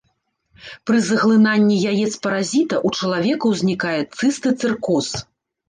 Пры заглынанні яец паразіта ў чалавека ўзнікае цыстыцэркоз.